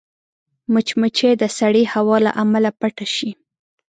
مچمچۍ د سړې هوا له امله پټه شي